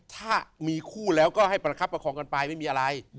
ถ้ามีคู่แล้วก็ให้ประคับประคองกันไปไม่มีอะไร